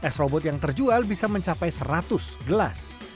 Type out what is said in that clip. s robot yang terjual bisa mencapai seratus gelas